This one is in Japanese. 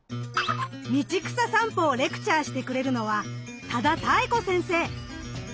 道草さんぽをレクチャーしてくれるのは多田多恵子先生。